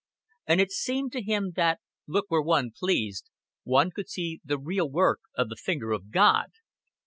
And it seemed to him that, look where one pleased, one could see the real work of the finger of God.